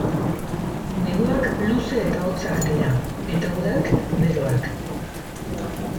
Neguak luze eta hotzak dira eta udak beroak.